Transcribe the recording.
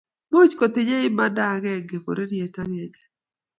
much kotinyei imanda agenge bororie agenge